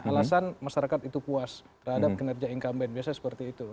alasan masyarakat itu puas terhadap kinerja incumbent biasanya seperti itu